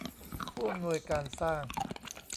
ผู้อำนวยการสร้าง